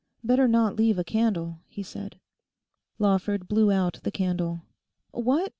'Better not leave a candle,' he said. Lawford blew out the candle. 'What?